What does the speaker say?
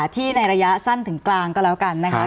ที่ในระยะสั้นถึงกลางก็แล้วกันนะคะ